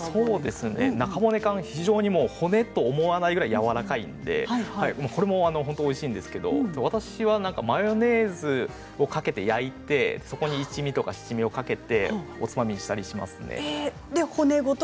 中骨缶、骨と思わないぐらいやわらかいのでこれもおいしいんですけど私はマヨネーズをかけて焼いてそこに一味や七味をかけておつまみにしたりしますね骨ごと。